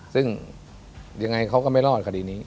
ซึ่งยังไงเขาก็ไม่รอดคดีนี้